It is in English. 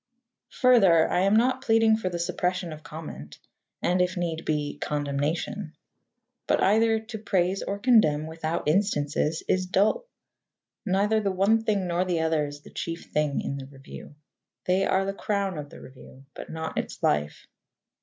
Further, I am not pleading for the suppression of comment and, if need be, condemnation. But either to praise or condemn without instances is dull. Neither the one thing nor the other is the chief thing in the review. They are the crown of the review, but not its life.